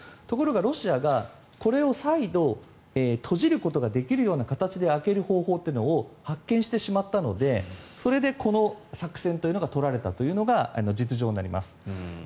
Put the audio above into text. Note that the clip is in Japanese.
ところがロシアがこれを再度、閉じることができるような形で開ける方法を発見してしまったのでそれでこの作戦というのが取られたというのが実情になります。